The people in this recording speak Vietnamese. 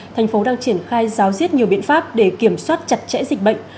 thành phố đang triển khai giáo diết nhiều biện pháp để kiểm soát chặt chẽ dịch bệnh